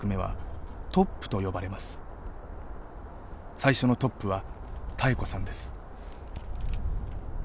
最初のトップは妙子さんです。